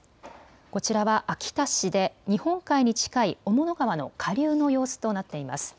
こちらは秋田市で日本海に近い雄物川の下流の様子となっています。